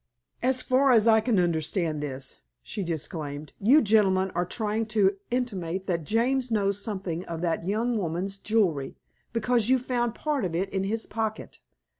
"As far as I can understand this," she declaimed, "you gentlemen are trying to intimate that James knows something of that young woman's jewelry, because you found part of it in his pocket.